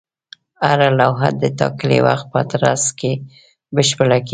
هره لوحه د ټاکلي وخت په ترڅ کې بشپړه کېده.